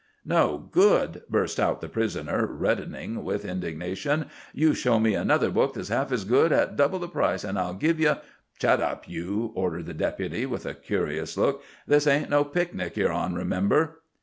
"No good!" burst out the prisoner, reddening with indignation. "You show me another book that's half as good, at double the price, an' I'll give you—" "Shet up, you!" ordered the Deputy, with a curious look. "This ain't no picnic ye're on, remember."